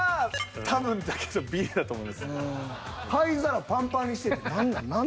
「灰皿パンパンにしてぇ」って何なん？